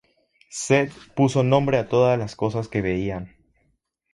Zedd puso nombre a toda las cosas que veían.